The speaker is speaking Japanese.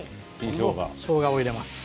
しょうがを入れます。